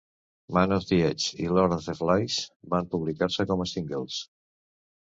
"Man on the Edge" i "Lord of the Flies" van publicar-se com a singles.